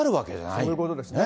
そういうことですね。